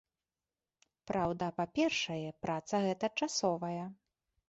Праўда, па-першае, праца гэта часовая.